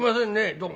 どうも」。